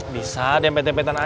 bisa dempet dempetan aja